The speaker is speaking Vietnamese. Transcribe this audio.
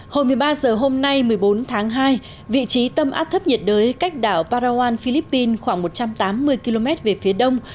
hồi một mươi ba h hôm nay một mươi bốn tháng hai vị trí tâm áp thấp nhiệt đới cách đảo parawan philippines khoảng một trăm tám mươi km về phía đông